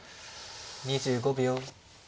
２５秒。